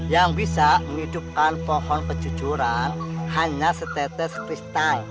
yang bisa menghidupkan pohon kejujuran hanya setetes kristal